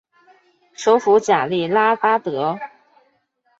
首府贾利拉巴德。